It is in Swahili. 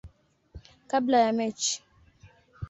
kabla ya mechi.